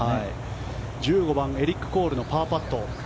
１５番、エリック・コールのパーパット。